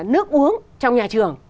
nước uống trong nhà trường